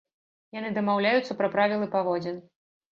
Яны дамаўляюцца пра правілы паводзін.